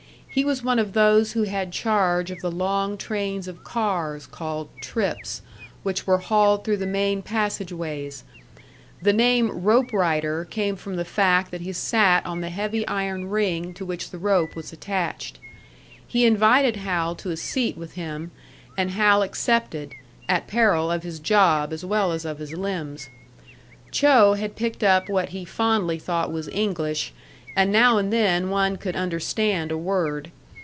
He was one of those who had charge of the long trains of cars, called "trips," which were hauled through the main passage ways; the name "rope rider" came from the fact that he sat on the heavy iron ring to which the rope was attached. He invited Hal to a seat with him, and Hal accepted, at peril of his job as well as of his limbs. Cho had picked up what he fondly thought was English, and now and then one could understand a word.